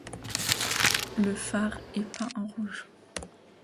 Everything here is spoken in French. Le phare est peint en rouge.